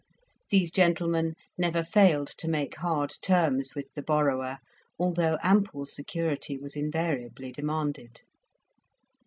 These gentlemen never failed to make hard terms with the borrower, although ample security was invariably demanded.